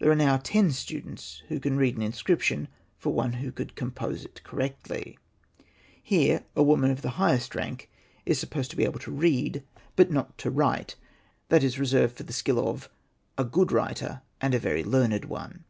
There are now ten students who can read an inscription for one who could compose it correctly. Here a woman of the highest rank is supposed to be able to read, but not Hosted by Google 132 SETNA AND THE MAGIC BOOK to write ; that Is reserved for the skill of a good writer, and a very learned one."